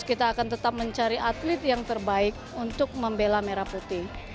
kita akan tetap mencari atlet yang terbaik untuk membela merah putih